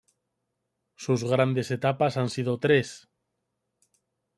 Sus grandes etapas han sido tres.